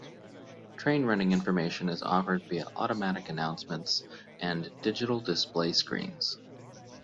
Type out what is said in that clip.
Train running information is offered via automatic announcements and digital display screens.